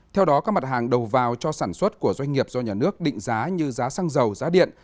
theo đó các mặt hàng đầu vào cho sản xuất của doanh nghiệp do nhà nước định giá như giá xăng dầu giá điện